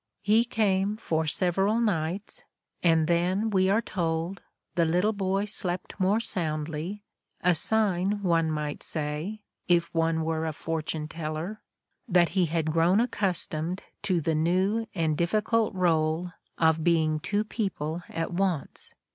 He came for several nights, and then, we are told, the little boy slept more soundly, a sign, one might say, if one were a fortune teller, that he had grown accustomed to the new and difficult role of being two people at once